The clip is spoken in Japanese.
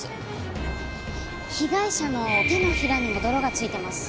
被害者の手のひらにも泥が付いてます。